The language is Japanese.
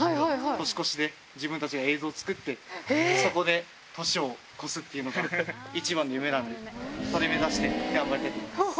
年越しで自分たちが映像を作って、そこで年を越すっていうのが一番の夢なんで、それを目指して頑張りたいと思います。